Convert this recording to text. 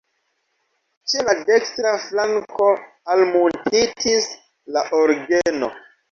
Ĉe la dekstra flanko almuntitis la orgeno.